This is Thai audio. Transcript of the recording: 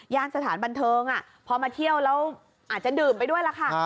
สถานบันเทิงพอมาเที่ยวแล้วอาจจะดื่มไปด้วยล่ะค่ะ